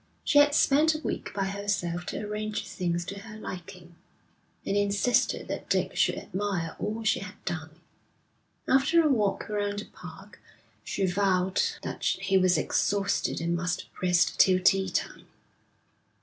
She had spent a week by herself to arrange things to her liking, and insisted that Dick should admire all she had done. After a walk round the park he vowed that he was exhausted and must rest till tea time.